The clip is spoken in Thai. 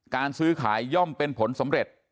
การซื้อขายย่อมเป็นผลสำเร็จ